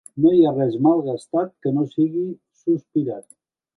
No hi ha res malgastat que no sigui sospirat.